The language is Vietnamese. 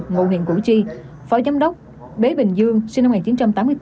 ngụ huyện củ chi phó giám đốc bế bình dương sinh năm một nghìn chín trăm tám mươi bốn